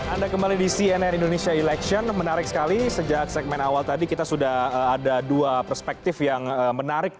anda kembali di cnn indonesia election menarik sekali sejak segmen awal tadi kita sudah ada dua perspektif yang menarik